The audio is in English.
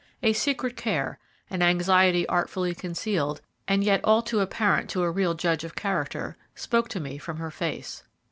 A secret care, an anxiety artfully concealed, and yet all too apparent to a real judge of character, spoke to me from her face.